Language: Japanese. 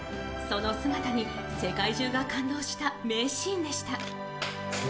その姿に世界中が感動した名シーンでした。